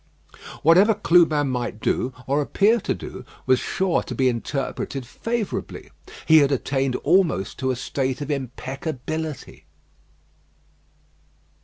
Whatever Clubin might do, or appear to do, was sure to be interpreted favourably. He had attained almost to a state of impeccability.